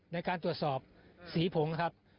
ในการตรวจสอบสีผงครับ